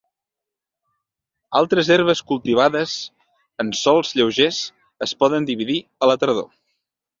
Altres herbes cultivades en sòls lleugers es poden dividir a la tardor.